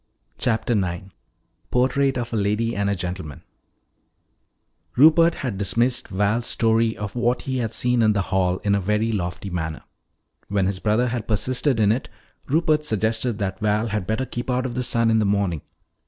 CHAPTER IX PORTRAIT OF A LADY AND A GENTLEMAN Rupert had dismissed Val's story of what he had seen in the hall in a very lofty manner. When his brother had persisted in it, Rupert suggested that Val had better keep out of the sun in the morning.